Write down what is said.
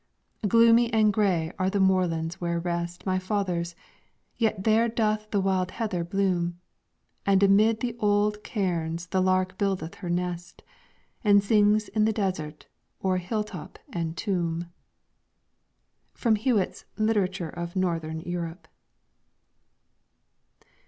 Gloomy and gray are the moorlands where rest My fathers, yet there doth the wild heather bloom, And amid the old cairns the lark buildeth her nest, And sings in the desert, o'er hill top and tomb. From Hewitt's 'Literature of Northern Europe.'